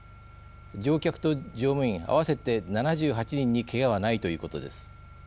乗客と乗務員合わせて７８人にけがはないということです。